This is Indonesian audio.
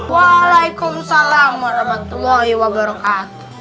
waalaikumsalam warahmatullahi wabarakatuh